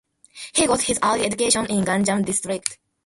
He got his early education in Ganjam district.